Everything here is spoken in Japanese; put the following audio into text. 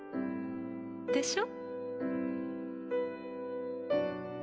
でしょ？